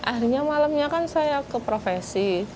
akhirnya malamnya kan saya ke profesi